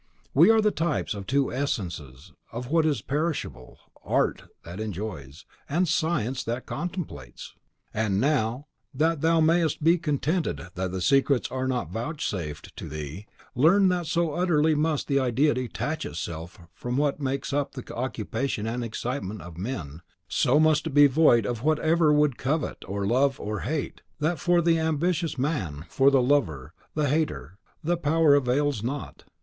We are the types of the two essences of what is imperishable, 'ART, that enjoys; and SCIENCE, that contemplates!' And now, that thou mayest be contented that the secrets are not vouchsafed to thee, learn that so utterly must the idea detach itself from what makes up the occupation and excitement of men; so must it be void of whatever would covet, or love, or hate, that for the ambitious man, for the lover, the hater, the power avails not.